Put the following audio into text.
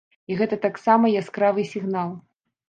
І гэта таксама яскравы сігнал.